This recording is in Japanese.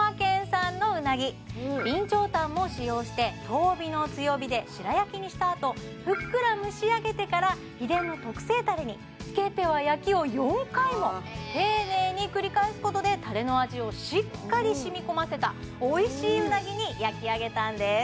今回お届けするうなぎの蒲焼はしたあとふっくら蒸し上げてから秘伝の特製たれにつけては焼きを４回も丁寧に繰り返すことでたれの味をしっかりしみこませたおいしいうなぎに焼き上げたんです